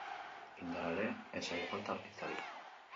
Indarra ere ez zaio falta artistari.